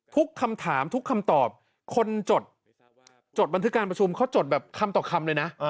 ทุกคำถามทุกคำตอบคนจดบันทึกการประชุมเขาจดแบบคำต่อคำเลยนะ